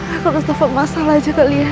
aku harus tepuk masalah aja kali ya